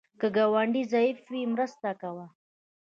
که ګاونډی ضعیف وي، مرسته کوه